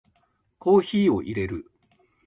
コーヒーを淹れる